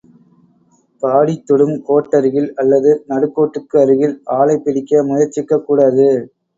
பாடித் தொடும் கோட்டருகில் அல்லது நடுக் கோட்டுக்கு அருகில் ஆளைப் பிடிக்க முயற்சிக்கக் கூடாது.